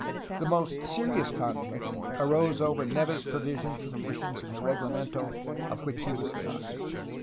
The most serious conflict arose over Neve's provision for the missions in the reglamento of which he was the author.